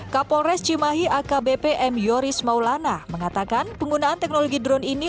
kapolres cimahi akbp m yoris maulana mengatakan penggunaan teknologi drone ini